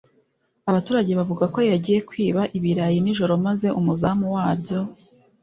Abaturage bavuga ko yagiye kwiba ibirayi nijoro maze umuzamu wabyo